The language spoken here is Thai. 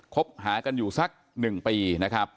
คบหากันอยู่สัก๑ปีนะครับ